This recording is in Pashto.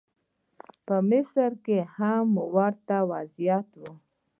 په مصر کې هم ورته وضعیت و.